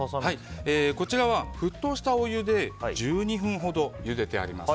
こちらは沸騰したお湯で１２分ほどゆでてあります。